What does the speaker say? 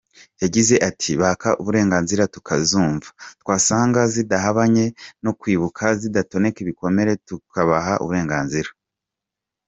Yagize ati “ Baka uburenganzira, tukazumva, twasanga zidahabanye no kwibuka; zidatoneka ibikomere tukabaha uburenganzira.